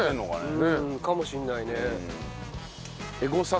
かもしれないね。